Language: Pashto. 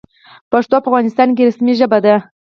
پښتو په افغانستان کې رسمي ژبه ده.